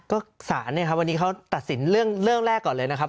ก็สารเนี่ยครับวันนี้เขาตัดสินเรื่องแรกก่อนเลยนะครับ